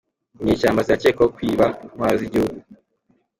Inyeshyamba ziracyekwaho kwiba intwaro zigihugu